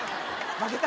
負けた？